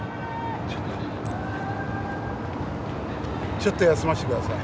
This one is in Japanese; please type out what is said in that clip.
ちょっと休ませてください。